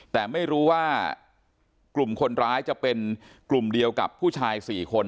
แต่ไม่รู้ว่ากลุ่มคนร้ายจะเป็นกลุ่มเดียวกับผู้ชาย๔คน